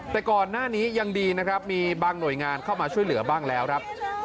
แต่ก่อนหน้านี้ยังดีนะครับมีบางหน่วยงานเข้ามาช่วยเหลือบ้างแล้วครับ